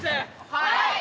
はい！